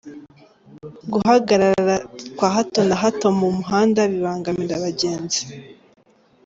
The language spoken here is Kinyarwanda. Guhagarara kwa hato na hato mu muhanda bibangamira abagenzi.